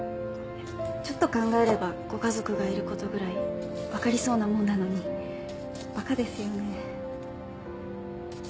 ちょっと考えればご家族がいることぐらいわかりそうなもんなのにばかですよね。